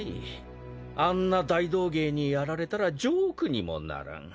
あんな大道芸にやられたらジョークにもならん。